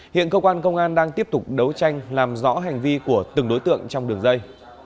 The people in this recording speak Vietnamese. hiện công an đang tiếp tục đấu tranh làm rõ hành vi của từng đối tượng trong đường dây